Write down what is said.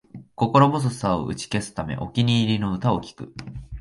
心細さを打ち消すため、お気に入りの歌を聴く